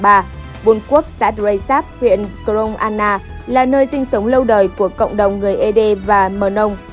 buôn quốc xã drei sáp huyện crong anna là nơi sinh sống lâu đời của cộng đồng người ế đê và mờ nông